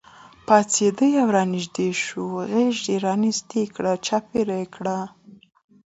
پاڅېدې او رانږدې شوې غېږ دې راته چاپېره کړه.